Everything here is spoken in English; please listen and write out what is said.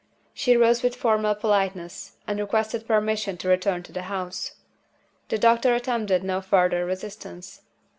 She rose with formal politeness, and requested permission to return to the house. The doctor attempted no further resistance.